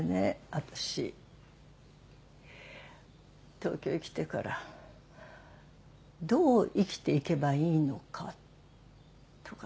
私東京へ来てからどう生きていけばいいのかとか